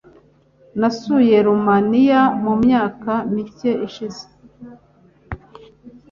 Nasuye Rumaniya mu myaka mike ishize .